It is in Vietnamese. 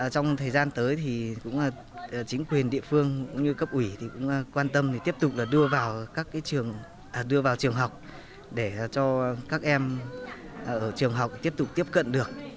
trong thời gian tới thì cũng chính quyền địa phương cũng như cấp ủy cũng quan tâm tiếp tục đưa vào trường học để cho các em ở trường học tiếp tục tiếp cận được